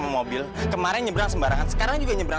gembel itu ketemunya sama gembel juga